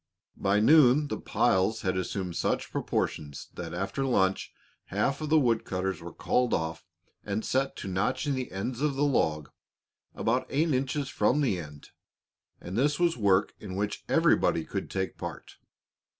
By noon the piles had assumed such proportions that after luncheon half of the wood cutters were called off and set to notching the ends of the log, about eight inches from the end, and this was work in which everybody could take part.